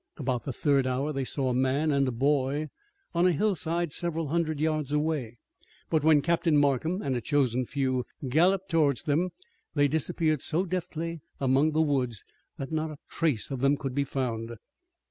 About the third hour they saw a man and a boy on a hillside several hundred yards away, but when Captain Markham and a chosen few galloped towards them they disappeared so deftly among the woods that not a trace of them could be found.